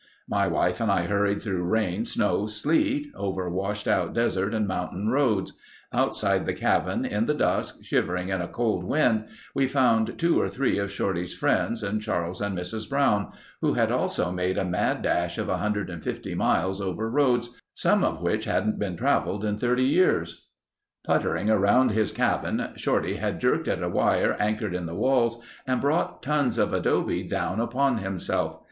My wife and I hurried through rain, snow, sleet; over washed out desert and mountain roads. Outside the cabin in the dusk, shivering in a cold wind, we found two or three of Shorty's friends and Charles and Mrs. Brown, who had also made a mad dash of 150 miles over roads—some of which hadn't been traveled in 30 years. Puttering around his cabin, Shorty had jerked at a wire anchored in the walls and brought tons of adobe down upon himself.